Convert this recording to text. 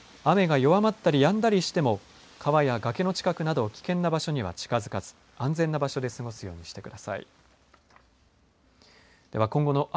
雨が弱まったりやんだりしても川や崖の近くなど危険な場所には近づかず安全な場所で過ごすようにしてください。